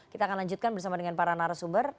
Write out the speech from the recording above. kita akan lanjutkan bersama dengan para narasumber